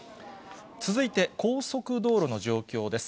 続いて、高速道路の状況です。